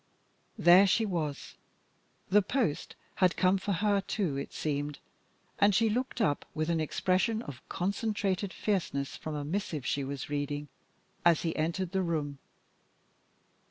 There she was the post had come for her too, it seemed, and she looked up with an expression of concentrated fierceness from a missive she was reading as he entered the room.